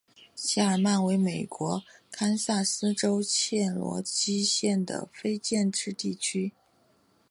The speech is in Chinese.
谢尔曼为美国堪萨斯州切罗基县的非建制地区。